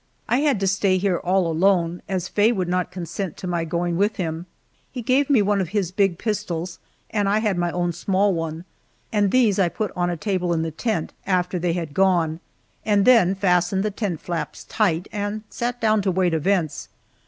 I had to stay here all alone as Faye would not consent to my going with him. He gave me one of his big pistols, and I had my own small one, and these I put on a table in the tent, after they had gone, and then fastened the tent flaps tight and sat down to await events.